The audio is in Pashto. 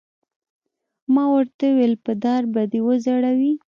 ما ورته وویل: په دار به دې وځړوي.